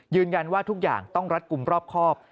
ยืนยันว่าทุกอย่างต้องรัดกลุ่มรอบครอบ